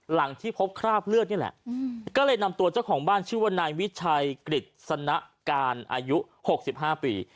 หลังที่พบคราบเลือดนี่แหละก็เลยนำตัวเจ้าของบ้านชื่อว่านายวิชัยกฤษณะการอายุ๖๕ปี